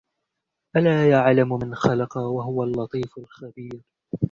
أَلَا يَعْلَمُ مَنْ خَلَقَ وَهُوَ اللَّطِيفُ الْخَبِيرُ